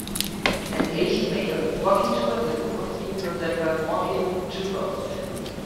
An asian male walking towards a group of people that are walking towards him.